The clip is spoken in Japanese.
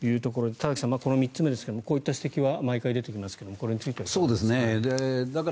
田崎さん、この３つ目ですがこういう指摘は毎回出てきますがこれについてはいかがですか？